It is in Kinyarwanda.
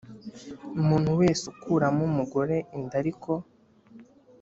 Umuntu wese ukuramo umugore inda ariko